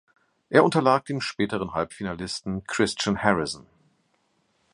Er unterlag dem späteren Halbfinalisten Christian Harrison.